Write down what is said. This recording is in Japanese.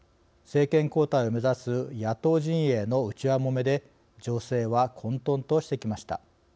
政権交代を目指す野党陣営の内輪もめで情勢は混とんとしてきました。